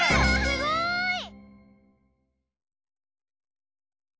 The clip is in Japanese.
すごい！